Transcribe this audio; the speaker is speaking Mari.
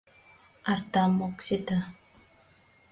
Артам ок сите.